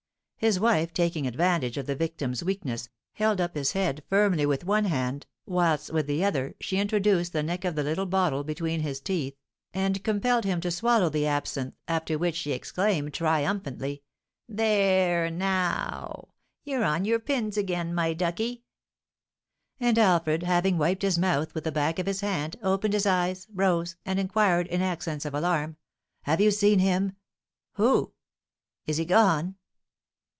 His wife, taking advantage of the victim's weakness, held up his head firmly with one hand, whilst with the other she introduced the neck of the little bottle between his teeth, and compelled him to swallow the absinthe, after which she exclaimed, triumphantly: "Ther r r r e, now w w! you're on your pins again, my ducky!" And Alfred, having wiped his mouth with the back of his hand, opened his eyes, rose, and inquired, in accents of alarm: "Have you seen him?" "Who?" "Is he gone?"